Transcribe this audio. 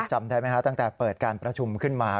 จำได้ไหมฮะตั้งแต่เปิดการประชุมขึ้นมา